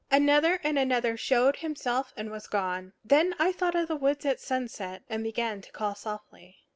Another and another showed himself and was gone. Then I thought of the woods at sunset, and began to call softly.